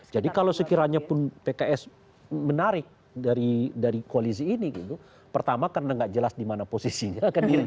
jadi kalau sekiranya pun pks menarik dari koalisi ini gitu pertama karena nggak jelas dimana posisinya